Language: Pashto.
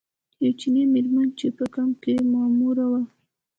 یوه چکي میرمن چې په کمپ کې ماموره وه.